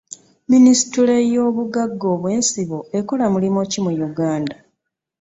Minisitule y'obugagga obw'ensibo ekola mulimu ki mu Uganda?